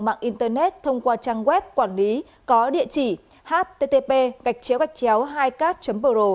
mạng internet thông qua trang web quản lý có địa chỉ http hai card pro